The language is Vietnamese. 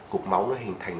cục máu nó hình thành